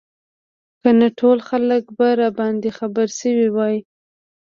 که نه ټول خلک به راباندې خبر شوي وو.